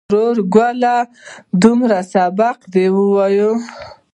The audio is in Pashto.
وراره گله دومره سبقان دې وويل.